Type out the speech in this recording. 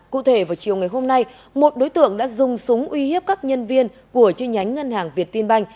cụ thể vào chiều ngày hôm nay một đối tượng đã dùng súng uy hiếp các nhân viên của chi nhánh ngân hàng việt tiên banh